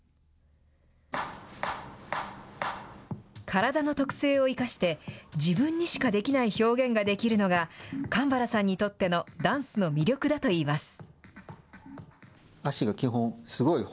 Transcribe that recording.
体の特性を生かして、自分にしかできない表現ができるのが、かんばらさんにとってのダンスの魅力だといいます。